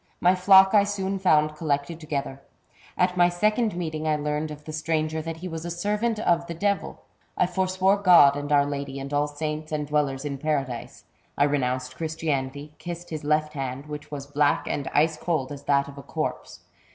My flock I soon found collected together. At my second meeting I learned of the stranger that he was a servant of the devil. I forswore God and our Lady and all saints and dwellers in Paradise. I renounced Christianity, kissed his left hand, which was black and ice cold as that of a corpse.